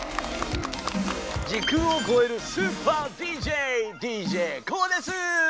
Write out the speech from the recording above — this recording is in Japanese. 時空をこえるスーパーＤＪＤＪＫＯＯです！